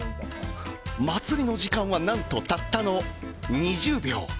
祭りの時間は、たったの２０秒。